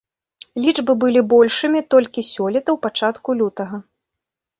Лічбы былі большымі толькі сёлета ў пачатку лютага.